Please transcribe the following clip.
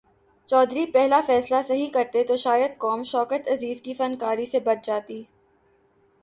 چودھری پہلا فیصلہ صحیح کرتے تو شاید قوم شوکت عزیز کی فنکاری سے بچ جاتی۔